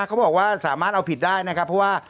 เขาบอกว่าสามารถเอาผิดได้นะครับเพราะว่า